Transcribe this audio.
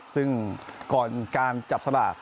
ซึ่งก่อนการจับสลาก